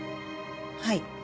はい。